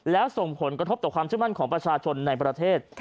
แล้วส่งผลกระทบต่อความเชื่อมั่นของประชาชนในประเทศ